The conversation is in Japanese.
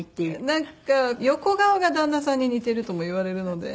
なんか横顔が旦那さんに似てるとも言われるので。